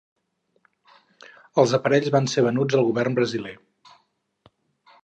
Els aparells van ser venuts al govern brasiler.